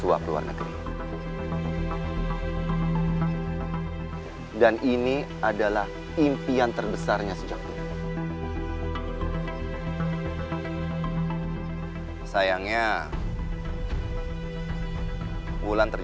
anu pengen gak sih bisa main gitar kayak orang itu ya pengen banget lah keren